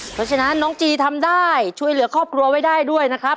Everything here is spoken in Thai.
เพราะฉะนั้นน้องจีทำได้ช่วยเหลือครอบครัวไว้ได้ด้วยนะครับ